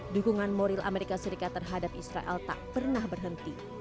dukungan moral amerika serikat terhadap israel tak pernah berhenti